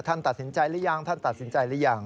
ท่านตัดสินใจหรือยังท่านตัดสินใจหรือยัง